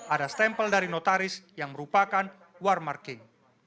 ada stempel dari notaris yang merupakan war marking